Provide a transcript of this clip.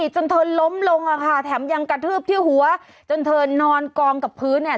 จนเธอล้มลงอ่ะค่ะแถมยังกระทืบที่หัวจนเธอนอนกองกับพื้นเนี่ย